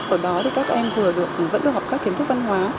ở đó thì các em vừa được vẫn được học các kiến thức văn hóa